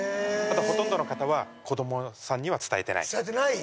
ただほとんどの方は子どもさんには伝えてない伝えてない？